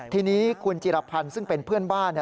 ทีนี้คุณจิรพันธ์ซึ่งเป็นเพื่อนบ้าน